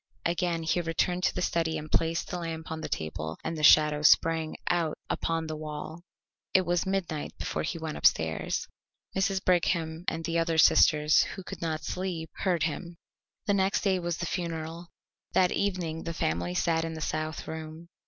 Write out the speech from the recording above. Again he returned to the study and placed the lamp on the table, and the shadow sprang out upon the wall. It was midnight before he went upstairs. Mrs. Brigham and the other sisters, who could not sleep, heard him. The next day was the funeral. That evening the family sat in the south room.